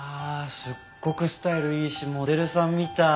すっごくスタイルいいしモデルさんみたい。